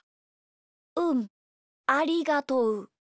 うんありがとう。